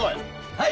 はい！